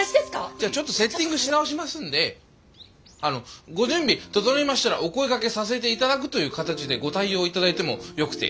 じゃあちょっとセッティングし直しますんであのご準備整いましたらお声がけさせて頂くという形でご対応頂いてもよくて？